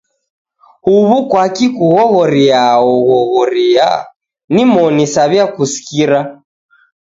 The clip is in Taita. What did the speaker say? Huw'u kwaki kughoghoriaa oghoghoria? Nimoni saw'iakusikira.